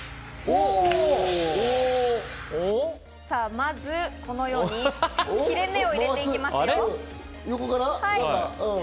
まずこのように切れ目を入れていきますよ。